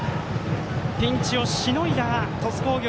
ピンチをしのいだ、鳥栖工業。